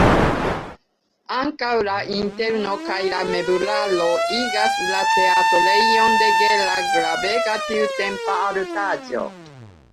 Ankaŭ la interno kaj la meblaro igas la teatrejon de Gera gravega tiutempa artaĵo.